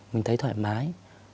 mình thấy thoải mái